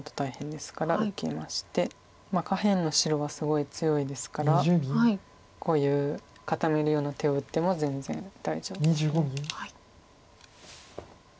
下辺の白はすごい強いですからこういう固めるような手を打っても全然大丈夫です。